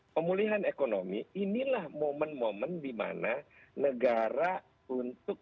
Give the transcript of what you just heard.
pemulihan ekonomi inilah momen momen di mana negara untuk